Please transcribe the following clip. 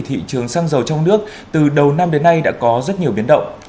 thị trường xăng dầu trong nước từ đầu năm đến nay đã có rất nhiều biến động